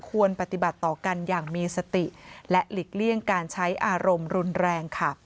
ควรปฏิบัติต่อกันอย่างมีสติและหลีกเลี่ยงการใช้อารมณ์รุนแรงค่ะ